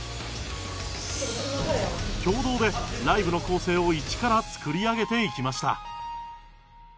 共同でライブの構成をイチから作り上げていきました